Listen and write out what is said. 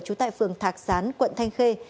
chú tại phường thạc gián quận thanh khê